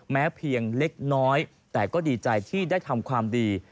แม้เพียงเล็กน้อยแต่ก็ดีใจที่ได้ทำความดี